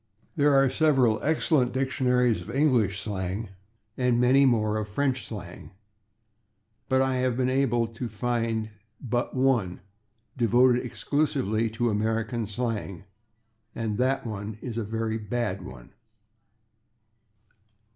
There are several excellent dictionaries of English slang, and many more of French slang, but I have been able to find but one devoted exclusively to American slang, and that one is a very bad one.